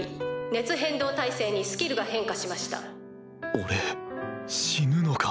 俺死ぬのか。